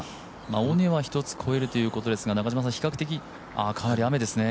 尾根は１つ越えるということですがかなり雨ですね。